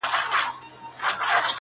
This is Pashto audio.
گوجر ته بوره ښه ده.